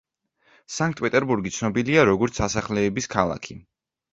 სანქტ-პეტერბურგი ცნობილია, როგორც სასახლეების ქალაქი.